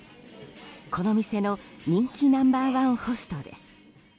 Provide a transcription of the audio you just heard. この店の人気ナンバー１ホストです。